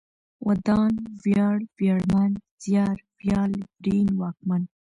ودان ، وياړ ، وياړمن ، زيار، ويال ، ورين ، واکمن